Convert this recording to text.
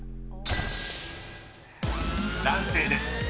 ［男性です。